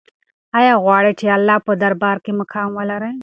آیا غواړې چې د الله په دربار کې مقام ولرې؟